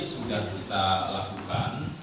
sudah kita lakukan